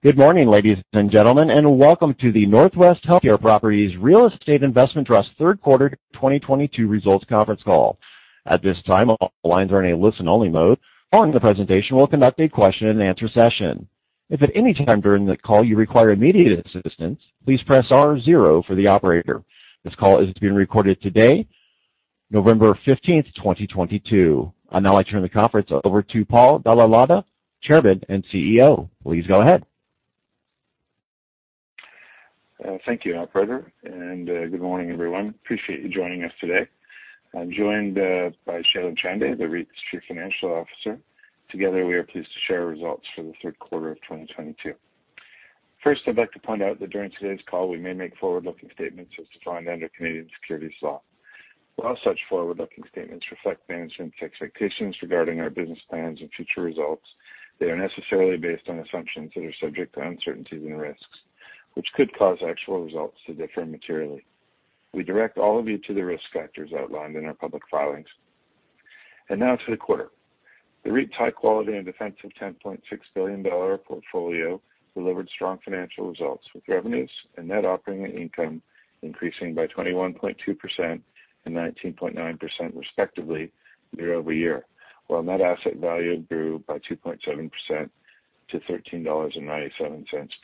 Good morning, ladies and gentlemen, and welcome to the Northwest Healthcare Properties Real Estate Investment Trust Q3 2022 results conference call. At this time, all lines are in a listen-only mode. Following the presentation, we'll conduct a question-and-answer session. If at any time during the call you require immediate assistance, please press star zero for the operator. This call is being recorded today, November fifteenth, 2022. I'll now turn the conference over to Paul Dalla Lana, Chairman and CEO. Please go ahead. Thank you, operator, and good morning, everyone. I appreciate you joining us today. I'm joined by Shailen Chande, the REIT's Chief Financial Officer. Together, we are pleased to share our results for the Q3 of 2022. First, I'd like to point out that during today's call, we may make forward-looking statements as defined under Canadian securities law. While such forward-looking statements reflect management's expectations regarding our business plans and future results, they are necessarily based on assumptions that are subject to uncertainties and risks, which could cause actual results to differ materially. We direct all of you to the risk factors outlined in our public filings. Now to the quarter. The REIT's high-quality and defensive 10.6 billion dollar portfolio delivered strong financial results, with revenues and net operating income increasing by 21.2% and 19.9% respectively year-over-year, while net asset value grew by 2.7% to 13.97 dollars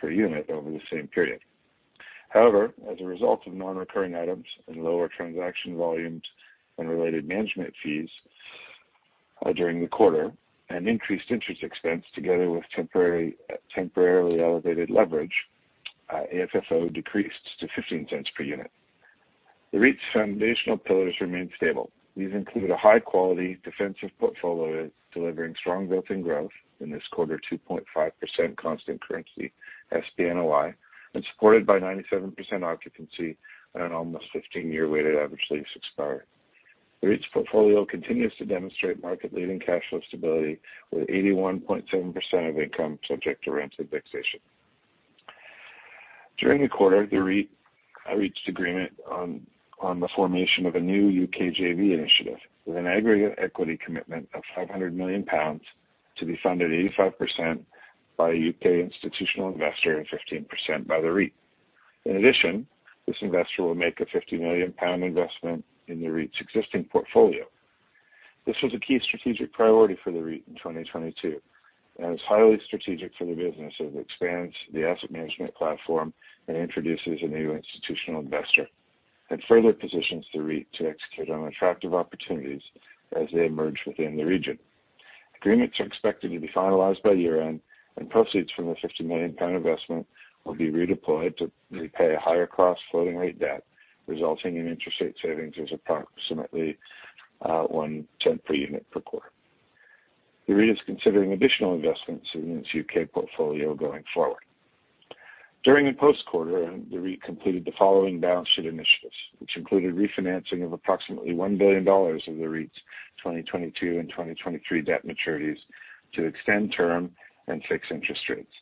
per unit over the same period. However, as a result of non-recurring items and lower transaction volumes and related management fees during the quarter and increased interest expense together with temporarily elevated leverage, AFFO decreased to 0.15 per unit. The REIT's foundational pillars remain stable. These include a high-quality defensive portfolio delivering strong built-in growth, in this quarter 2.5% constant currency SPNOI, and supported by 97% occupancy on an almost 15-year weighted average lease expiry. The REIT's portfolio continues to demonstrate market-leading cash flow stability with 81.7% of income subject to rent indexation. During the quarter, the REIT reached agreement on the formation of a new U.K. JV initiative with an aggregate equity commitment of 500 million pounds to be funded 85% by a U.K. institutional investor and 15% by the REIT. In addition, this investor will make a 50 million pound investment in the REIT's existing portfolio. This was a key strategic priority for the REIT in 2022, and it's highly strategic for the business as it expands the asset management platform and introduces a new institutional investor, and further positions the REIT to execute on attractive opportunities as they emerge within the region. Agreements are expected to be finalized by year-end, and proceeds from the 50 million pound investment will be redeployed to repay a higher-cost floating rate debt, resulting in interest rate savings of approximately 0.01 per unit per quarter. The REIT is considering additional investments in its U.K. portfolio going forward. During the post-quarter, the REIT completed the following balance sheet initiatives, which included refinancing of approximately 1 billion dollars of the REIT's 2022 and 2023 debt maturities to extend term and fix interest rates.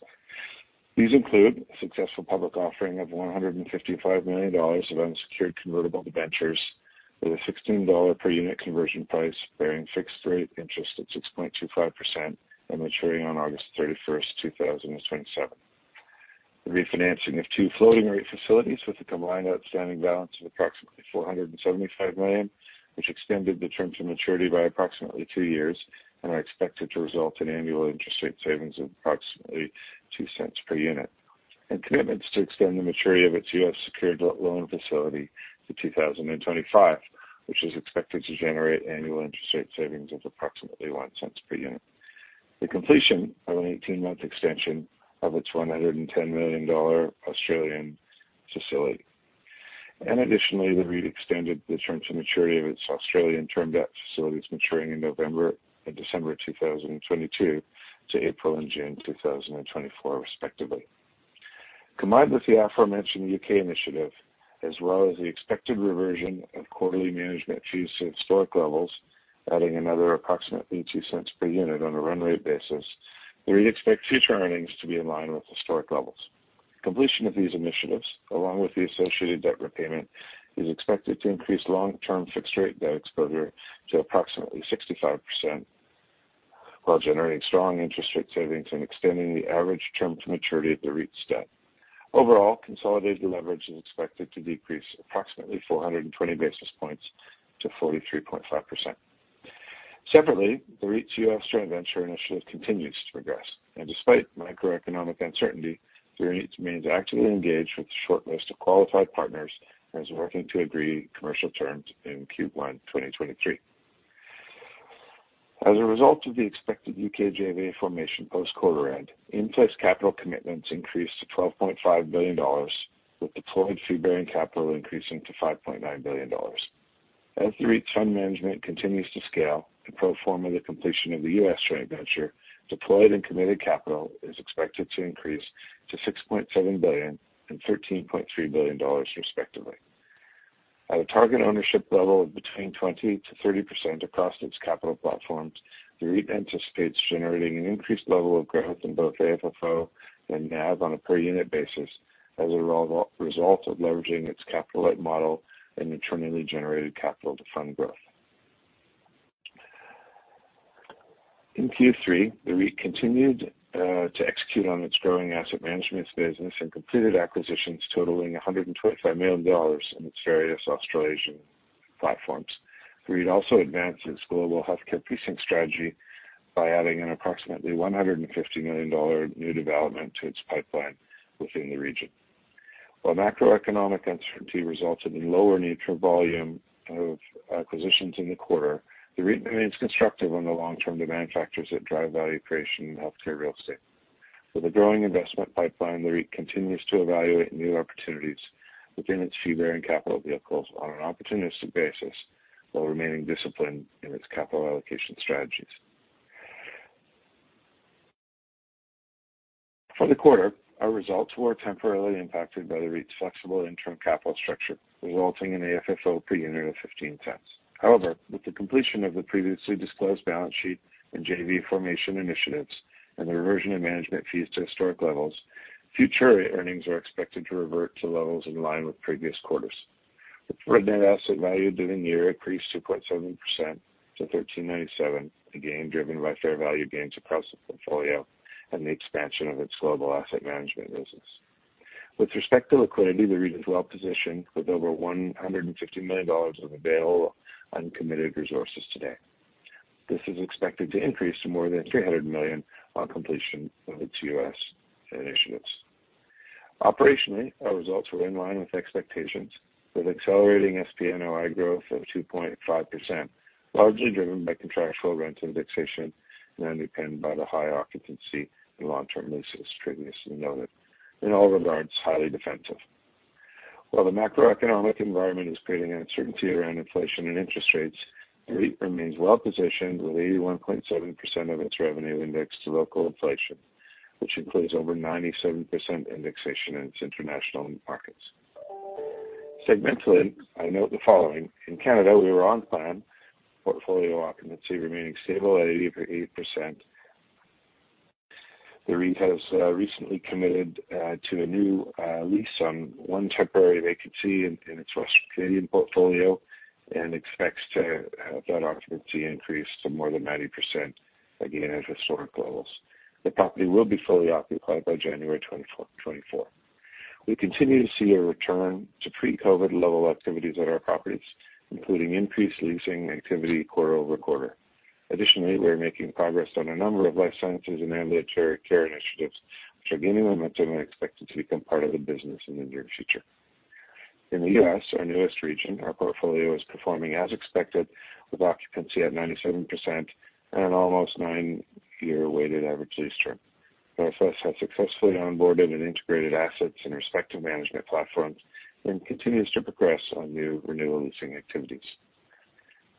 These include a successful public offering of 155 million dollars of unsecured convertible debentures with a 16 dollar per unit conversion price bearing fixed rate interest at 6.25% and maturing on August 31, 2027. The refinancing of two floating-rate facilities with a combined outstanding balance of approximately 475 million, which extended the terms of maturity by approximately two years and are expected to result in annual interest rate savings of approximately 0.02 per unit. Commitments to extend the maturity of its U.S. secured loan facility to 2025, which is expected to generate annual interest rate savings of approximately 0.01 per unit. The completion of an 18-month extension of its 110 million Australian dollars Australian facility. The REIT extended the terms and maturity of its Australian term debt facilities maturing in November and December 2022 to April and June 2024 respectively. Combined with the aforementioned U.K. initiative as well as the expected reversion of quarterly management fees to historic levels, adding another approximately 0.02 per unit on a run rate basis, the REIT expects future earnings to be in line with historic levels. Completion of these initiatives, along with the associated debt repayment, is expected to increase long-term fixed-rate debt exposure to approximately 65% while generating strong interest rate savings and extending the average term to maturity of the REIT's debt. Overall, consolidated leverage is expected to decrease approximately 420 basis points to 43.5%. Separately, the REIT's U.S. joint venture initiative continues to progress. Despite macroeconomic uncertainty, the REIT remains actively engaged with a short list of qualified partners and is working to agree commercial terms in Q1 2023. As a result of the expected U.K. JV formation post quarter end, in-place capital commitments increased to $12.5 billion with deployed fee-bearing capital increasing to $5.9 billion. As the REIT's fund management continues to scale and pro forma the completion of the U.S. joint venture, deployed and committed capital is expected to increase to $6.7 billion and $13.3 billion respectively. At a target ownership level of between 20%-30% across its capital platforms, the REIT anticipates generating an increased level of growth in both AFFO and NAV on a per unit basis as a result of leveraging its capital-light model and internally generated capital to fund growth. In Q3, the REIT continued to execute on its growing asset management business and completed acquisitions totaling 125 million dollars in its various Australasian platforms. REIT also advanced its global healthcare precinct strategy by adding an approximately 150 million-dollar new development to its pipeline within the region. While macroeconomic uncertainty results in lower net volume of acquisitions in the quarter, the REIT remains constructive on the long-term demand factors that drive value creation in healthcare real estate. With a growing investment pipeline, the REIT continues to evaluate new opportunities within its fee-bearing capital vehicles on an opportunistic basis, while remaining disciplined in its capital allocation strategies. For the quarter, our results were temporarily impacted by the REIT's flexible interim capital structure, resulting in AFFO per unit of 0.15. However, with the completion of the previously disclosed balance sheet and JV formation initiatives and the reversion of management fees to historic levels, future earnings are expected to revert to levels in line with previous quarters. The net asset value during the year increased 2.7% to 13.97, again, driven by fair value gains across the portfolio and the expansion of its global asset management business. With respect to liquidity, the REIT is well positioned with over 150 million dollars of available uncommitted resources today. This is expected to increase to more than 300 million on completion of its U.S. initiatives. Operationally, our results were in line with expectations, with accelerating SPNOI growth of 2.5%, largely driven by contractual rent indexation and underpinned by the high occupancy and long-term leases previously noted, in all regards, highly defensive. While the macroeconomic environment is creating uncertainty around inflation and interest rates, the REIT remains well positioned, with 81.7% of its revenue indexed to local inflation, which includes over 97% indexation in its international markets. Segmentally, I note the following. In Canada, we were on plan, portfolio occupancy remaining stable at 88%. The REIT has recently committed to a new lease on one temporary vacancy in its Western Canadian portfolio and expects to have that occupancy increase to more than 90%, again, at historic levels. The property will be fully occupied by January 2024. We continue to see a return to pre-COVID level activities at our properties, including increased leasing activity quarter-over-quarter. Additionally, we are making progress on a number of life sciences and ambulatory care initiatives, which are gaining momentum and expected to become part of the business in the near future. In the U.S., our newest region, our portfolio is performing as expected with occupancy at 97% and almost nine year weighted average lease term. NFS has successfully onboarded and integrated assets in respective management platforms and continues to progress on new renewal leasing activities.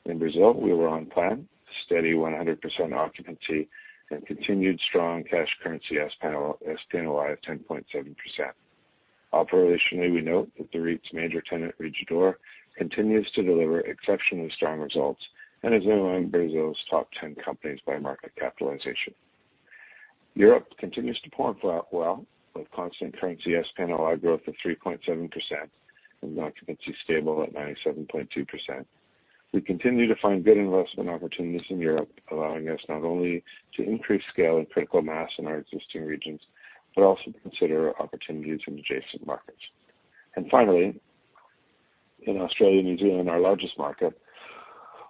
In Brazil, we were on plan, steady 100% occupancy and continued strong cash currency SPNOI of 10.7%. Operationally, we note that the REIT's major tenant, Rede D'Or, continues to deliver exceptionally strong results and is among Brazil's top 10 companies by market capitalization. Europe continues to perform well, with constant currency SPNOI growth of 3.7% and occupancy stable at 97.2%. We continue to find good investment opportunities in Europe, allowing us not only to increase scale and critical mass in our existing regions, but also consider opportunities in adjacent markets. Finally, in Australia and New Zealand, our largest market,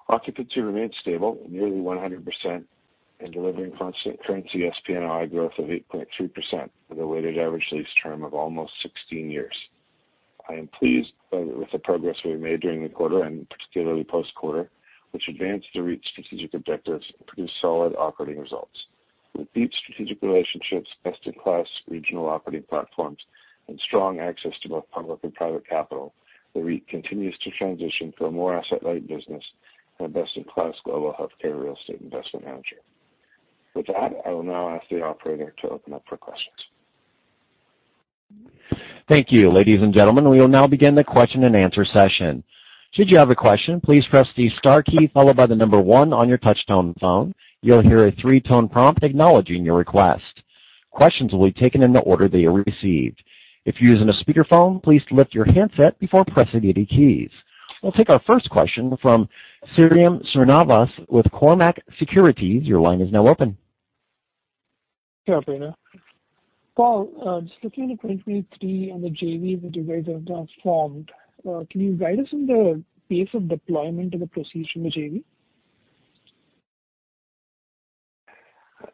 occupancy remains stable at nearly 100% and delivering constant currency SPNOI growth of 8.3% with a weighted average lease term of almost 16 years. I am pleased with the progress we made during the quarter and particularly post-quarter, which advanced the REIT's strategic objectives and produced solid operating results. With deep strategic relationships, best-in-class regional operating platforms, and strong access to both public and private capital, the REIT continues to transition to a more asset-light business and a best-in-class global healthcare real estate investment manager. With that, I will now ask the operator to open up for questions. Thank you. Ladies and gentlemen, we will now begin the question-and-answer session. Should you have a question, please press the star key followed by the number one on your touchtone phone. You'll hear a three-tone prompt acknowledging your request. Questions will be taken in the order they are received. If you're using a speakerphone, please lift your handset before pressing any keys. We'll take our first question from Sairam Srinivas with Cormark Securities. Your line is now open. Yeah. Paul, just looking at 2023 and the JVs that you guys have formed, can you guide us on the pace of deployment of the proceeds in the JV?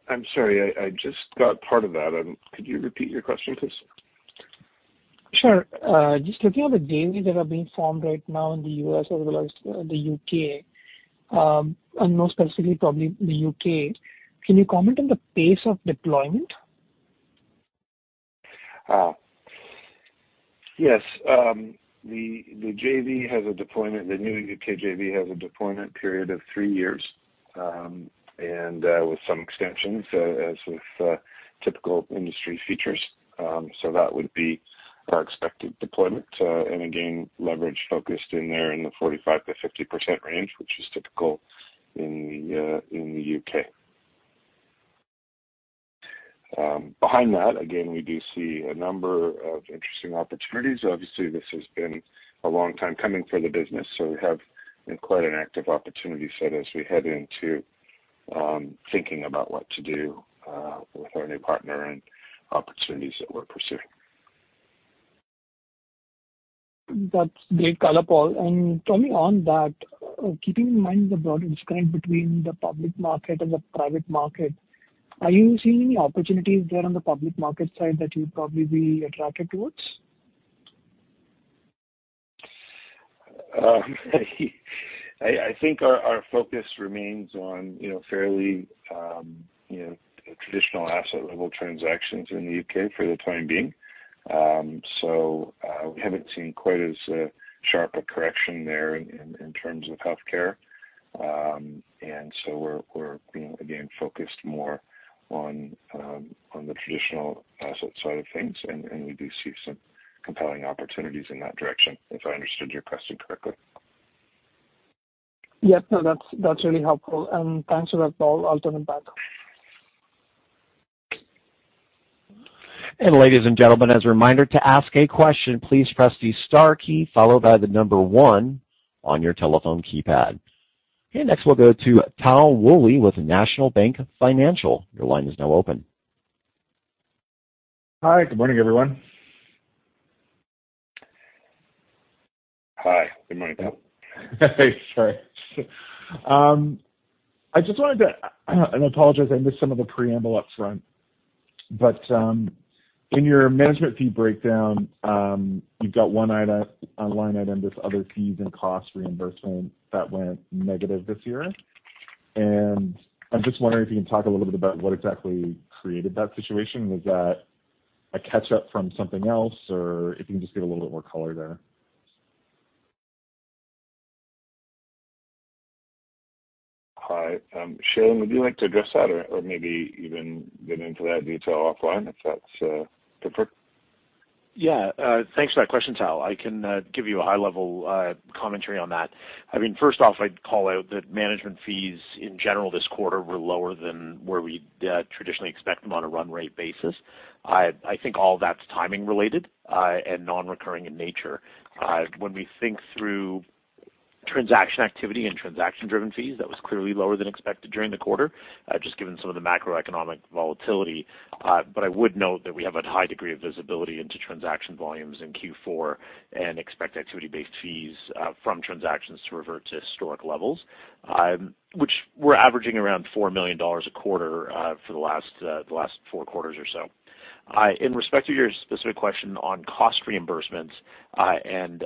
I'm sorry, I just got part of that. Could you repeat your question, please? Sure. Just looking at the JVs that are being formed right now in the U.S. as well as the U.K., and more specifically probably the U.K., can you comment on the pace of deployment? Yes. The JV has a deployment, the new U.K. JV has a deployment period of three years, and with some extensions, as with typical industry features. That would be our expected deployment, and again, leverage focused in there in the 45%-50% range, which is typical in the U.K. Behind that, again, we do see a number of interesting opportunities. Obviously, this has been a long time coming for the business, so we have quite an active opportunity set as we head into thinking about what to do with our new partner and opportunities that we're pursuing. That's great color, Paul. Coming on that, keeping in mind the broad disconnect between the public market and the private market, are you seeing any opportunities there on the public market side that you'd probably be attracted towards? I think our focus remains on, you know, fairly you know traditional asset-level transactions in the U.K. for the time being. We haven't seen quite as sharp a correction there in terms of healthcare. We're you know again focused more on the traditional asset side of things, and we do see some compelling opportunities in that direction, if I understood your question correctly. Yes. No, that's really helpful. Thanks for that, Paul. I'll turn it back. Ladies and gentlemen, as a reminder, to ask a question, please press the star key followed by the number one on your telephone keypad. Okay, next we'll go to Tal Woolley with National Bank Financial. Your line is now open. Hi, good morning, everyone. Hi, Good morning, Tal. Sorry. I apologize, I missed some of the preamble up front. In your management fee breakdown, you've got one line item, this other fees and costs reimbursement that went negative this year. I'm just wondering if you can talk a little bit about what exactly created that situation. Was that a catch-up from something else, or if you can just give a little bit more color there. Hi, Shailen, would you like to address that or maybe even get into that detail offline if that's preferred? Thanks for that question, Tal. I can give you a high-level commentary on that. I mean, first off, I'd call out that management fees in general this quarter were lower than where we'd traditionally expect them on a run rate basis. I think all that's timing related and non-recurring in nature. When we think through transaction activity and transaction-driven fees, that was clearly lower than expected during the quarter, just given some of the macroeconomic volatility. But I would note that we have a high degree of visibility into transaction volumes in Q4 and expect activity-based fees from transactions to revert to historic levels, which we're averaging around 4 million dollars a quarter for the last four quarters or so. In respect to your specific question on cost reimbursements, and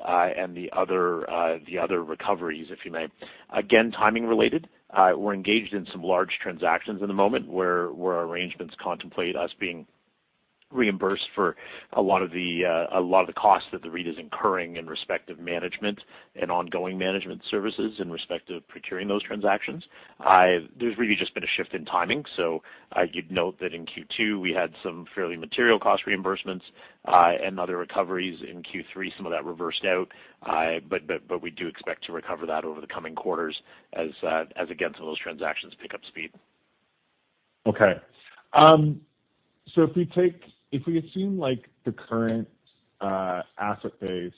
the other recoveries, if you may. Again, timing related. We're engaged in some large transactions at the moment where arrangements contemplate us being reimbursed for a lot of the costs that the REIT is incurring in respect of management and ongoing management services in respect of procuring those transactions. There's really just been a shift in timing. You'd note that in Q2, we had some fairly material cost reimbursements, and other recoveries. In Q3 some of that reversed out. But we do expect to recover that over the coming quarters as, again, some of those transactions pick up speed. If we assume, like, the current asset base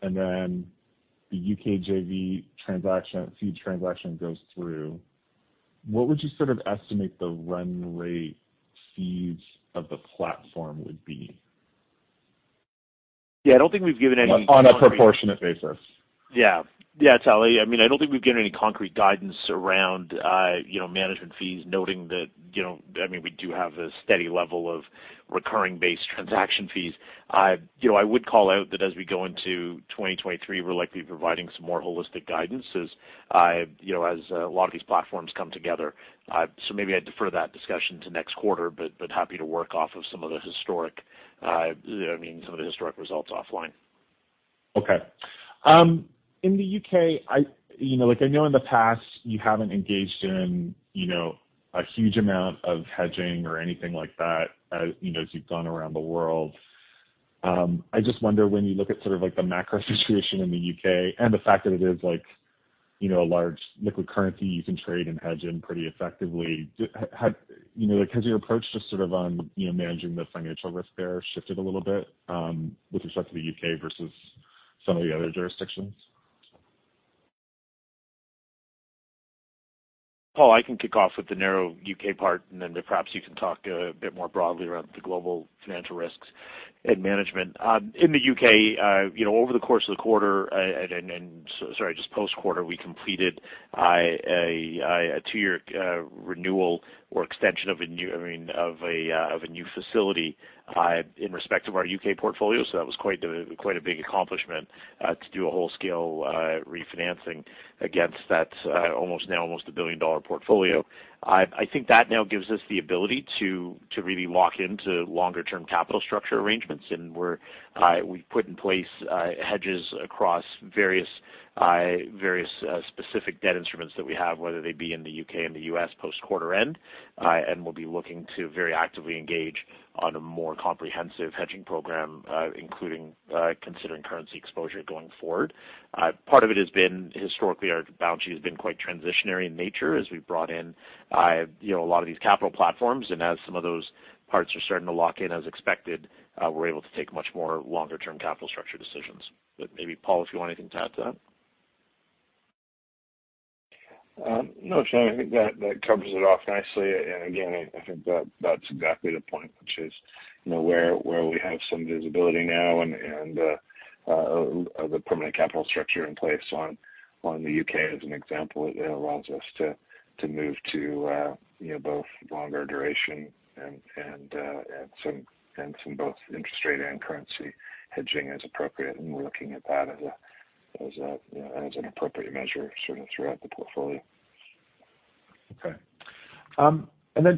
and then the U.K. JV transaction, fee transaction goes through, what would you sort of estimate the run rate fees of the platform would be? Yeah, I don't think we've given any. On a proportionate basis. Yeah. Yeah, Tal. I mean, I don't think we've given any concrete guidance around, you know, management fees, noting that, you know, I mean, we do have a steady level of recurring based transaction fees. You know, I would call out that as we go into 2023, we're likely providing some more holistic guidance as, you know, as a lot of these platforms come together. So maybe I defer that discussion to next quarter, but happy to work off of some of the historic results offline. Okay. In the U.K., I, you know, like I know in the past you haven't engaged in, you know, a huge amount of hedging or anything like that, you know, as you've gone around the world. I just wonder when you look at sort of like the macro situation in the U.K. and the fact that it is like, you know, a large liquid currency you can trade and hedge in pretty effectively. Has your approach just sort of on, you know, managing the financial risk there shifted a little bit, with respect to the U.K. versus some of the other jurisdictions? Paul, I can kick off with the narrow U.K. part, and then perhaps you can talk a bit more broadly around the global financial risks and management. In the U.K., over the course of the quarter, so sorry, just post-quarter, we completed a two year renewal or extension of a new facility in respect of our U.K. portfolio. That was quite a big accomplishment to do a full-scale refinancing against that, now almost a billion-dollar portfolio. I think that now gives us the ability to really lock into longer-term capital structure arrangements. We've put in place hedges across various specific debt instruments that we have, whether they be in the U.K. and the U.S. post quarter end. We'll be looking to very actively engage on a more comprehensive hedging program, including considering currency exposure going forward. Part of it has been, historically, our balance sheet has been quite transitory in nature as we brought in, you know, a lot of these capital platforms. As some of those parts are starting to lock in as expected, we're able to take much more longer-term capital structure decisions. Maybe, Paul, if you want anything to add to that. No, Shailen, I think that covers it off nicely. Again, I think that's exactly the point, which is, you know, where we have some visibility now and the permanent capital structure in place on the U.K. as an example, it allows us to move to, you know, both longer duration and some both interest rate and currency hedging as appropriate. We're looking at that as a, you know, as an appropriate measure sort of throughout the portfolio. Okay.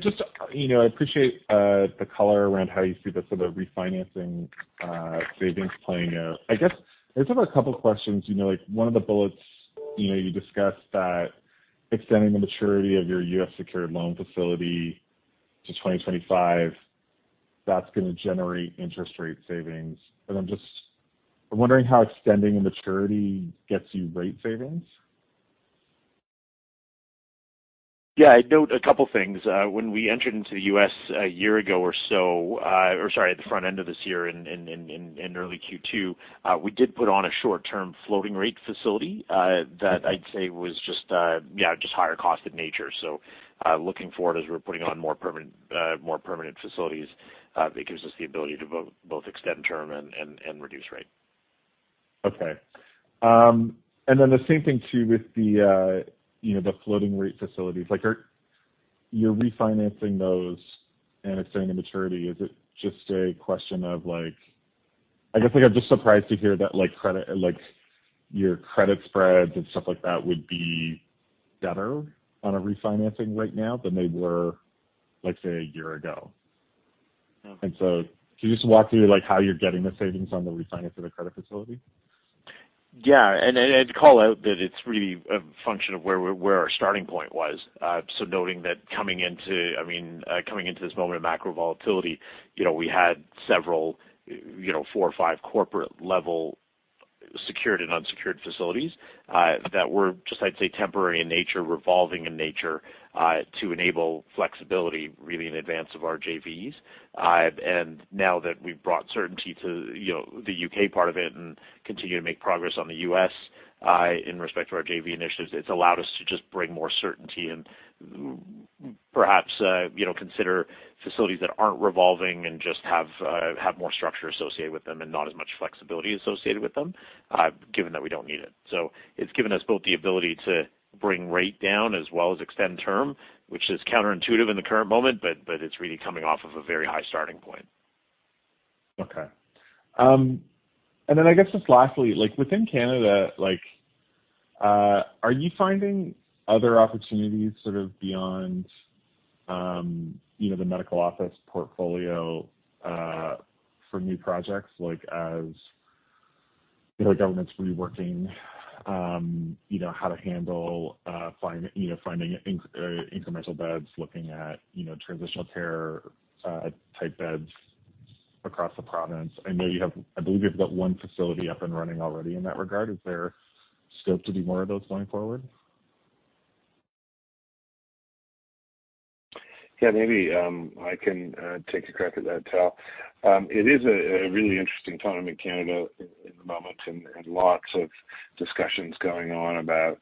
Just, you know, I appreciate the color around how you see the sort of refinancing savings playing out. I guess I just have a couple of questions. You know, like one of the bullets, you know, you discussed that extending the maturity of your U.S. secured loan facility to 2025, that's going to generate interest rate savings. I'm just wondering how extending the maturity gets you rate savings. Yeah, I'd note a couple things. When we entered into the U.S. a year ago or so, or sorry, at the front end of this year in early Q2, we did put on a short-term floating rate facility that I'd say was just higher cost in nature. Looking forward as we're putting on more permanent facilities, it gives us the ability to both extend term and reduce rate. Okay. Then the same thing too with the floating rate facilities. Like, are you refinancing those and extending the maturity? Is it just a question of like, I guess, like, I'm just surprised to hear that, like, credit, like, your credit spreads and stuff like that would be better on a refinancing right now than they were, like, say, a year ago. Can you just walk through, like, how you're getting the savings on the refinancing the credit facility? Yeah. I'd call out that it's really a function of where our starting point was. Noting that coming into this moment of macro volatility, you know, we had several, you know, four or five corporate level secured and unsecured facilities that were just, I'd say, temporary in nature, revolving in nature to enable flexibility really in advance of our JVs. Now that we've brought certainty to, you know, the U.K. part of it and continue to make progress on the U.S. in respect to our JV initiatives, it's allowed us to just bring more certainty and perhaps, you know, consider facilities that aren't revolving and just have more structure associated with them and not as much flexibility associated with them given that we don't need it. It's given us both the ability to bring rate down as well as extend term, which is counterintuitive in the current moment, but it's really coming off of a very high starting point. Okay. I guess just lastly, like within Canada, are you finding other opportunities sort of beyond, you know, the medical office portfolio, for new projects? Like as, you know, the government's reworking, you know, how to handle finding incremental beds, looking at, you know, transitional care type beds across the province. I know you have, I believe you've got one facility up and running already in that regard. Is there scope to be more of those going forward? Yeah, maybe I can take a crack at that, Tal. It is a really interesting time in Canada at the moment, and lots of discussions going on about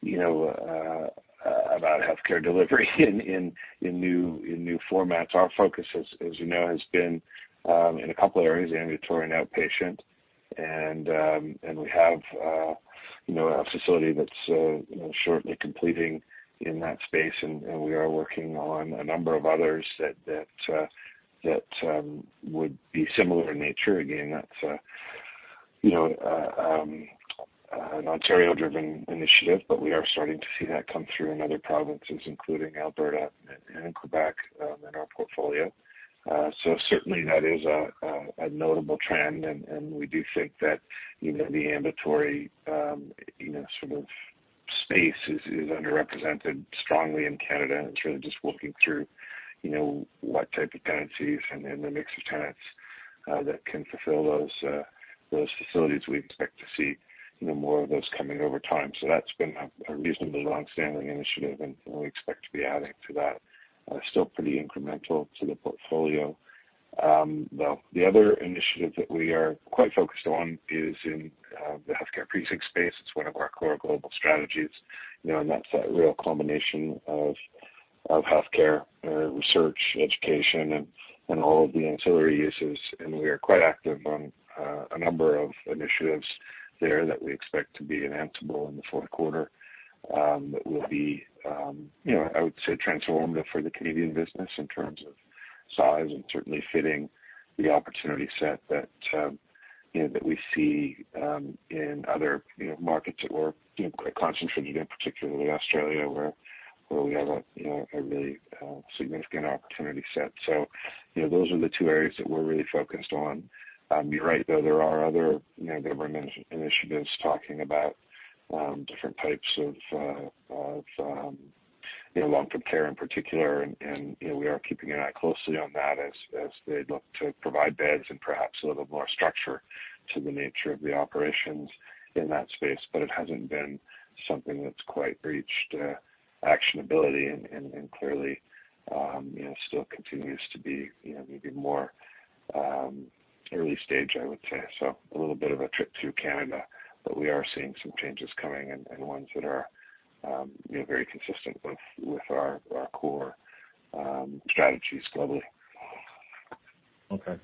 you know about healthcare delivery in new formats. Our focus as you know has been in a couple of areas, ambulatory and outpatient. We have you know a facility that's you know shortly completing in that space, and we are working on a number of others that would be similar in nature. Again, that's a you know an Ontario-driven initiative, but we are starting to see that come through in other provinces, including Alberta and Quebec in our portfolio. So certainly that is a notable trend. We do think that, you know, the ambulatory, you know, sort of space is underrepresented strongly in Canada, and sort of just working through, you know, what type of tenancies and the mix of tenants that can fulfill those facilities. We expect to see, you know, more of those coming over time. That's been a reasonably longstanding initiative, and we expect to be adding to that, still pretty incremental to the portfolio. The other initiative that we are quite focused on is in the healthcare precinct space. It's one of our core global strategies, you know, and that's a real combination of healthcare research, education, and all of the ancillary uses. We are quite active on a number of initiatives there that we expect to be announce able in the Q4, that will be, you know, I would say transformative for the Canadian business in terms of size and certainly fitting the opportunity set that, you know, that we see, in other, you know, markets that we're, you know, quite concentrated in, particularly Australia, where we have a, you know, a really significant opportunity set. So, you know, those are the two areas that we're really focused on. You're right, though, there are other, you know, government initiatives talking about different types of, you know, long-term care in particular. you know, we are keeping an eye closely on that as they look to provide beds and perhaps a little more structure to the nature of the operations in that space. It hasn't been something that's quite reached actionability and clearly you know still continues to be, you know, maybe more early stage, I would say. A little bit of a trip through Canada, but we are seeing some changes coming and ones that are you know very consistent with our core strategies globally. Okay.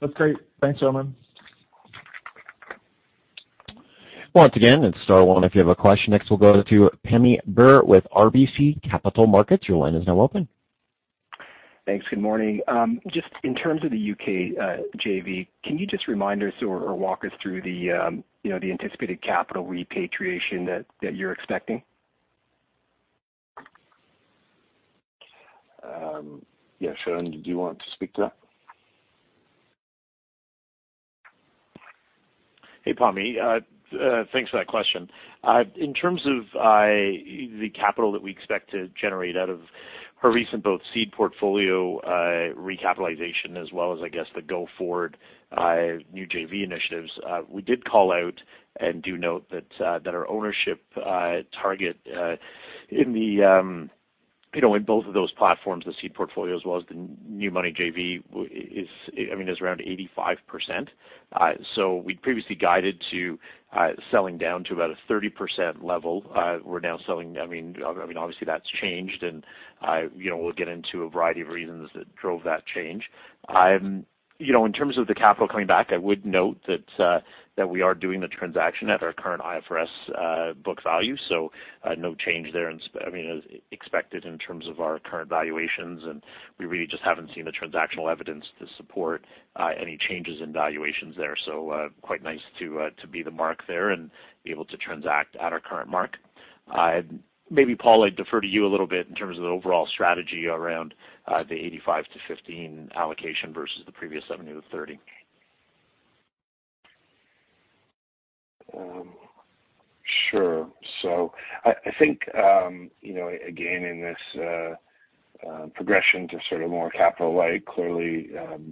That's great. Thanks, Paul Dalla Lana. Once again, it's star one if you have a question. Next, we'll go to Pammi Bir with RBC Capital Markets. Your line is now open. Thanks. Good morning. Just in terms of the U.K., JV, can you just remind us or walk us through the, you know, the anticipated capital repatriation that you're expecting? Yeah, Shailen, do you want to speak to that? Hey, Pammi. Thanks for that question. In terms of the capital that we expect to generate out of our recent both seed portfolio recapitalization as well as I guess the go forward new JV initiatives, we did call out and do note that that our ownership target in the you know in both of those platforms, the seed portfolio as well as the new money JV is, I mean, is around 85%. So we'd previously guided to selling down to about a 30% level. We're now selling. I mean, obviously that's changed, and you know we'll get into a variety of reasons that drove that change. You know, in terms of the capital coming back, I would note that that we are doing the transaction at our current IFRS book value. So, no change there I mean, as expected in terms of our current valuations, and we really just haven't seen the transactional evidence to support any changes in valuations there. So, quite nice to be the mark there and be able to transact at our current mark. Maybe, Paul, I'd defer to you a little bit in terms of the overall strategy around the 85%-15% allocation versus the previous 70%-30%. Sure. I think, you know, again, in this progression to sort of more capital-light, clearly,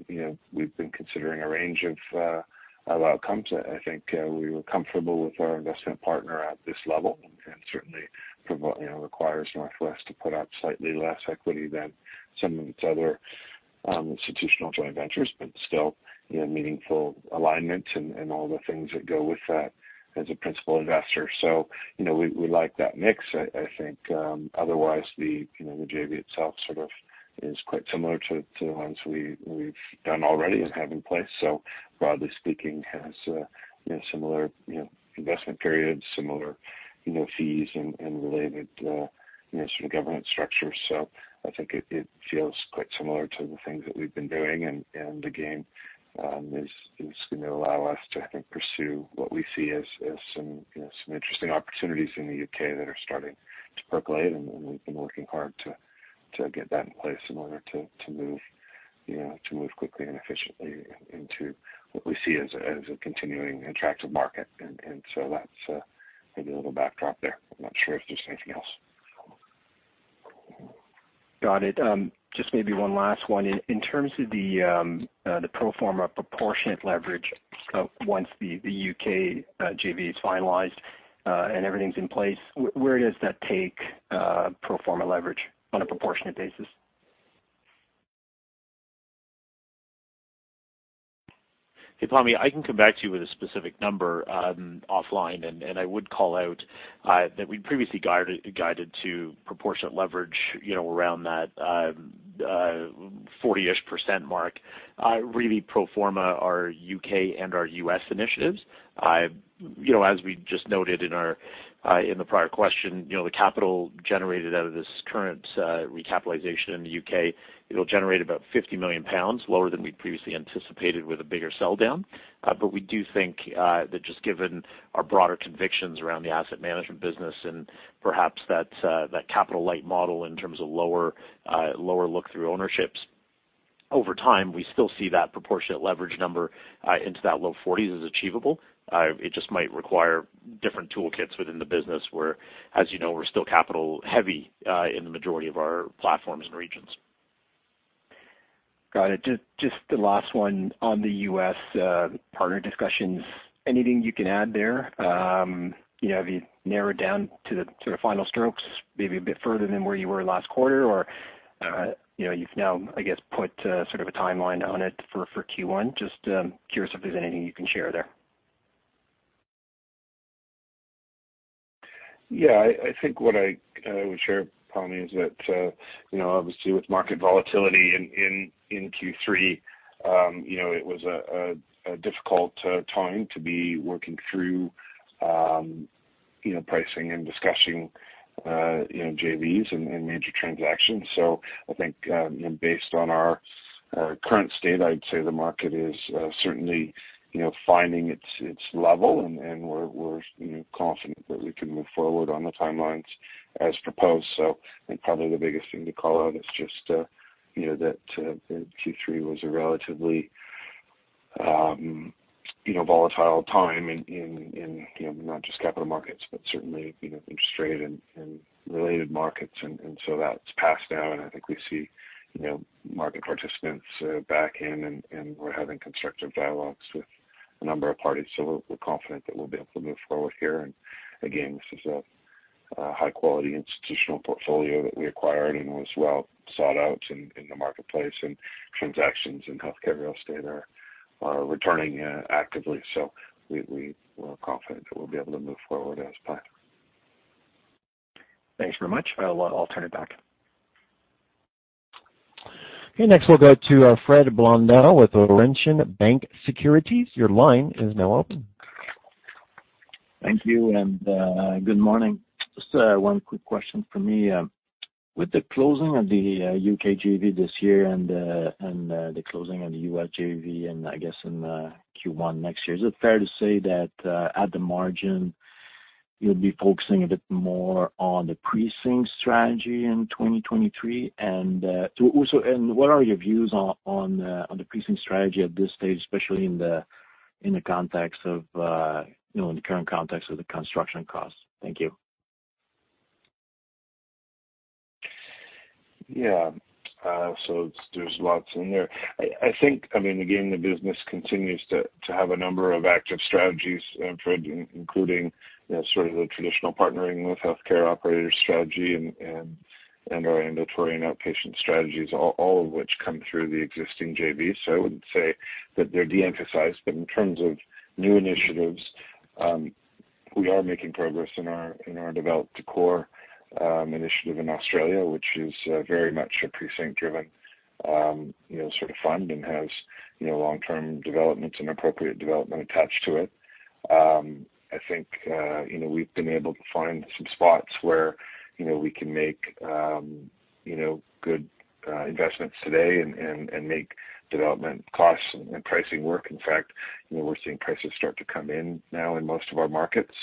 you know, we've been considering a range of outcomes. I think we were comfortable with our investment partner at this level, and certainly from what you know requires Northwest to put up slightly less equity than some of its other institutional joint ventures, but still, you know, meaningful alignment and all the things that go with that as a principal investor. You know, we like that mix. I think otherwise the you know the JV itself sort of is quite similar to the ones we've done already and have in place. Broadly speaking, has you know similar you know investment periods, similar you know fees and related you know sort of governance structure. I think it feels quite similar to the things that we've been doing. Again, is gonna allow us to, I think, pursue what we see as some you know interesting opportunities in the U.K. That are starting to percolate. We've been working hard to get that in place in order to move you know quickly and efficiently into what we see as a continuing attractive market. That's maybe a little backdrop there. I'm not sure if there's anything else. Got it. Just maybe one last one. In terms of the pro forma proportionate leverage, once the U.K. JV is finalized, and everything's in place, where does that take pro forma leverage on a proportionate basis? Hey, Pammi, I can come back to you with a specific number offline. I would call out that we'd previously guided to proportionate leverage, you know, around that 40-ish% mark, really pro forma our U.K. and our U.S. initiatives. I've, you know, as we just noted in our in the prior question, you know, the capital generated out of this current recapitalization in the U.K., it'll generate about 50 million pounds, lower than we'd previously anticipated with a bigger sell down. We do think that just given our broader convictions around the asset management business and perhaps that capital-light model in terms of lower look-through ownerships, over time, we still see that proportionate leverage number into that low 40s% as achievable. It just might require different toolkits within the business where, as you know, we're still capital heavy in the majority of our platforms and regions. Got it. Just the last one on the U.S. partner discussions. Anything you can add there? You know, have you narrowed down to the final shortlist maybe a bit further than where you were last quarter? Or, you know, you've now, I guess, put sort of a timeline on it for Q1? Just curious if there's anything you can share there. Yeah. I think what I would share, Pammi, is that, you know, obviously with market volatility in Q3, you know, it was a difficult time to be working through, you know, pricing and discussing, you know, JVs and major transactions. I think, you know, based on our current state, I'd say the market is certainly, you know, finding its level, and we're, you know, confident that we can move forward on the timelines as proposed. I think probably the biggest thing to call out is just, you know, that Q3 was a relatively, you know, volatile time in, you know, not just capital markets, but certainly, you know, interest rate and related markets and so that's passed now. I think we see, you know, market participants back in and we're having constructive dialogues with a number of parties. We're confident that we'll be able to move forward here. Again, this is a high quality institutional portfolio that we acquired and was well sought out in the marketplace and transactions in healthcare real estate are returning actively. We're confident that we'll be able to move forward as planned. Thanks very much. I'll turn it back. Okay. Next, we'll go to Frederic Blondeau with Laurentian Bank Securities. Your line is now open. Thank you, good morning. Just one quick question for me. With the closing of the U.K. JV this year and the closing of the U.S. JV, and I guess in Q1 next year, is it fair to say that at the margin you'll be focusing a bit more on the precinct strategy in 2023? What are your views on the precinct strategy at this stage, especially in the context of you know, in the current context of the construction costs? Thank you. Yeah. So there's lots in there. I think, I mean, again, the business continues to have a number of active strategies, Fred, including, you know, sort of the traditional partnering with healthcare operators strategy and our ambulatory and outpatient strategies, all of which come through the existing JVs. I wouldn't say that they're de-emphasized. In terms of new initiatives, we are making progress in our develop-to-core initiative in Australia, which is very much a precinct-driven sort of fund and has long-term developments and appropriate development attached to it. I think, you know, we've been able to find some spots where, you know, we can make good investments today and make development costs and pricing work. In fact, you know, we're seeing prices start to come in now in most of our markets.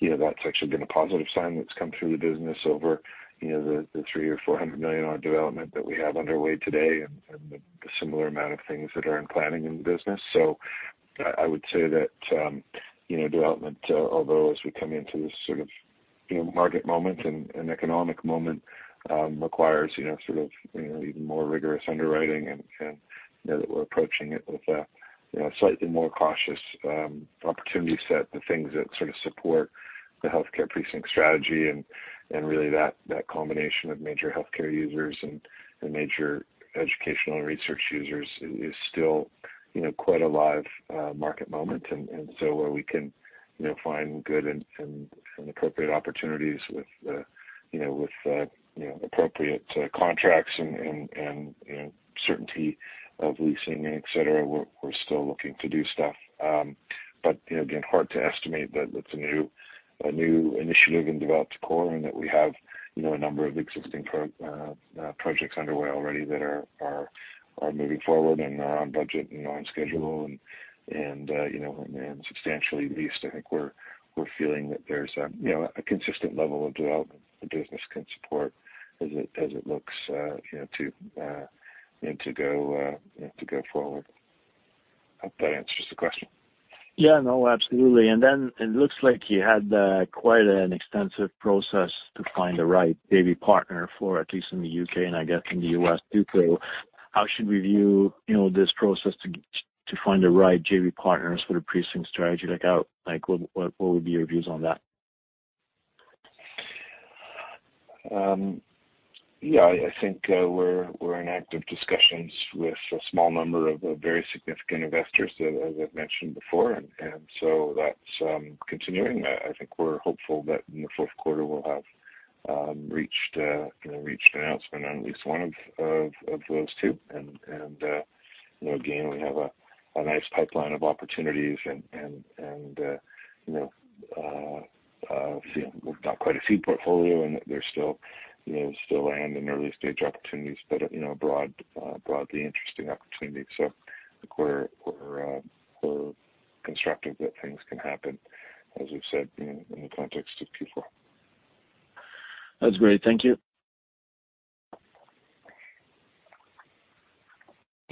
That's actually been a positive sign that's come through the business over, you know, the 300-400 million dollar development that we have underway today and the similar amount of things that are in planning in the business. I would say that, you know, development, although as we come into this sort of, you know, market moment and economic moment, requires, you know, sort of, you know, even more rigorous underwriting and, you know, that we're approaching it with a, you know, slightly more cautious opportunity set. The things that sort of support the healthcare precinct strategy and really that combination of major healthcare users and major educational and research users is still, you know, quite a live market moment. Where we can, you know, find good and appropriate opportunities with appropriate contracts and certainty of leasing, etcetera, we're still looking to do stuff. You know, again, hard to estimate that it's a new initiative in develop-to-core and that we have, you know, a number of existing projects underway already that are moving forward and are on budget and on schedule and substantially leased. I think we're feeling that there's a, you know, a consistent level of development the business can support as it looks, you know, to go forward. Hope that answers the question. Yeah. No, absolutely. It looks like you had quite an extensive process to find the right JV partner for at least in the U.K. and I guess in the U.S. too. How should we view, you know, this process to find the right JV partners for the precinct strategy? Like how, like what would be your views on that? Yeah, I think we're in active discussions with a small number of very significant investors, as I've mentioned before, and so that's continuing. I think we're hopeful that in the Q4 we'll have reached an announcement on at least one of those two. You know, again, we have a nice pipeline of opportunities and we've got quite a few portfolio and there's still land and early stage opportunities, but broadly interesting opportunities. I think we're constructive that things can happen, as we've said in the context of Q4. That's great. Thank you.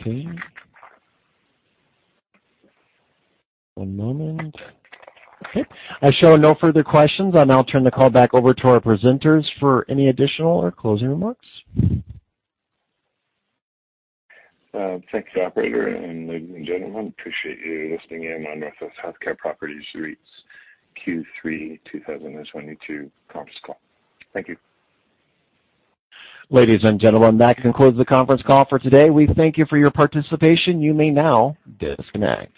Okay. One moment. Okay. I show no further questions. I'll now turn the call back over to our presenters for any additional or closing remarks. Thank you, operator, and ladies and gentlemen. Appreciate you listening in onNorthwest Healthcare Property Trust's Q3 2022 conference call. Thank you. Ladies and gentlemen, that concludes the conference call for today. We thank you for your participation. You may now disconnect.